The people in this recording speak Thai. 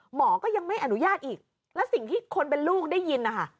หมอก็ยังไม่อนุญาตอีกแล้วสิ่งที่คนเป็นลูกได้ยินนะคะ